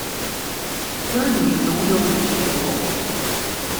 Thirdly, the wheel which they roll.